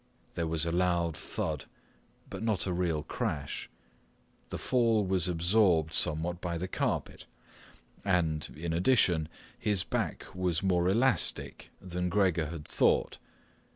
There was a loud thud, but not a real crash. The fall was absorbed somewhat by the carpet and, in addition, his back was more elastic than Gregor had thought.